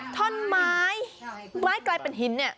ท่อนไม้ไม้กลายเป็นหินเนี่ย